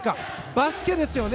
バスケですよね。